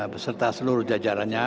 beserta seluruh jajarannya